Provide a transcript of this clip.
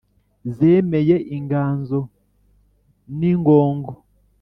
zemeye inganzo ni ngongo